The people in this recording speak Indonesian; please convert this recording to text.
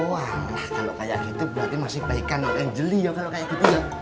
wah lah kalo kaya gitu berarti masih baik kan non angeli ya kalo kaya gitu ya